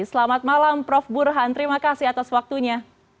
selamat malam prof burhan terima kasih atas waktunya